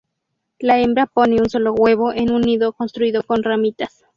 La hembra pone un solo huevo en un nido construido con ramitas.